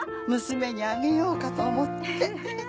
娘にあげようかと思って